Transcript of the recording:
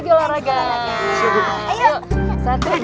jangan jauh sini aja